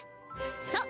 そう！